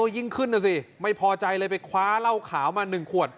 ยิ่งขึ้นนะสิไม่พอใจเลยไปคว้าเหล้าขาวมา๑ขวด